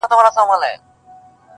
د خبرونو وياند يې.